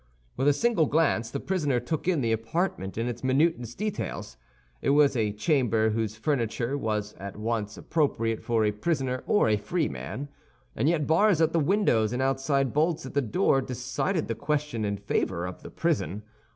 With a single glance the prisoner took in the apartment in its minutest details. It was a chamber whose furniture was at once appropriate for a prisoner or a free man; and yet bars at the windows and outside bolts at the door decided the question in favor of the prison.